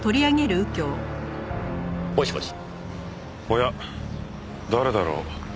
おや誰だろう？